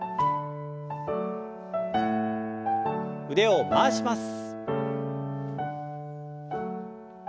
腕を回します。